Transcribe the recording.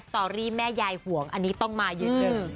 ตอรี่แม่ยายห่วงอันนี้ต้องมายืนหนึ่ง